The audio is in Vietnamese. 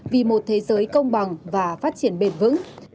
vì một thế giới công bằng và phát triển bền vững